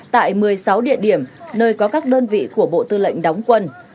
tại một mươi sáu địa điểm nơi có các đơn vị của bộ tư lệnh đóng quân